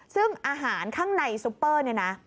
ซึ่งอาหารข้างในซุปเปอร์